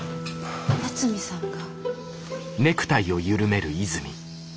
八海さんが？